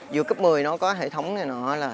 vừa cấp một mươi nó có hệ thống này nó là